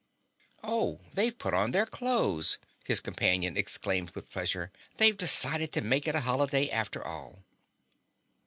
"Oh, they've put on their clothes," his companion exclaimed with pleasure. "They've decided to make it a holiday after all."